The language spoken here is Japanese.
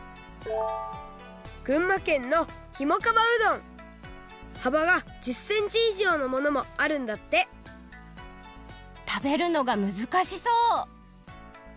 ぐんまけんのはばが１０センチいじょうのものもあるんだって食べるのがむずかしそう！